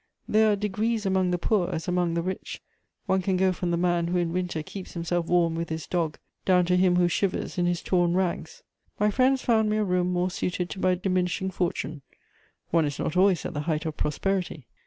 There are degrees among the poor as among the rich; one can go from the man who in winter keeps himself warm with his dog down to him who shivers in his torn rags. My friends found me a room more suited to my diminishing fortune: one is not always at the height of prosperity!